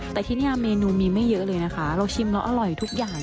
แต่ที่นี่เมนูมีไม่เยอะเลยนะคะเราชิมแล้วอร่อยทุกอย่าง